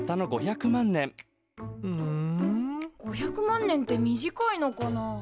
５００万年って短いのかな？